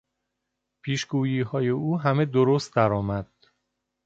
پیشگوییهای او همه درست درآمد.